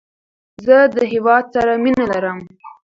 زه د هیواد سره مینه لرم.